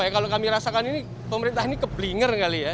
kalau kami rasakan ini pemerintah ini keblinger kali ya